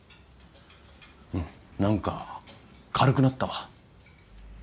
うん何か軽くなったわ。